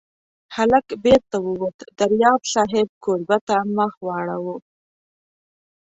هلک بېرته ووت، دریاب صاحب کوربه ته مخ واړاوه.